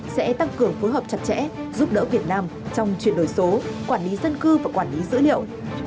sẽ tăng cường phối hợp chặt chẽ giúp đỡ việt nam trong chuyển đổi số quản lý dân cư và quản lý dữ liệu